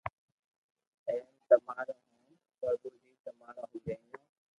امي تمارو ھون پرڀو جي تمارو ھون رھيو